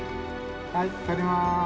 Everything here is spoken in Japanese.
はい撮ります！